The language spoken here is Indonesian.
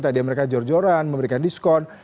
tadi mereka jor joran memberikan diskon